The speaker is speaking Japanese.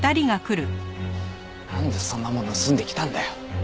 なんでそんなもん盗んできたんだよ！